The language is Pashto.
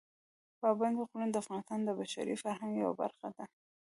پابندي غرونه د افغانستان د بشري فرهنګ یوه برخه ده.